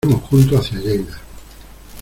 Iremos juntos hacia Lleida.